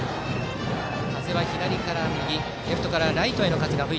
風は左から右レフトからライトへの風。